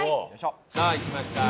さあいきました。